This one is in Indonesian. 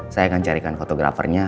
saya akan carikan fotografernya